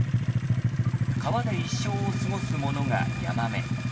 川で一生を過ごすものがヤマメ。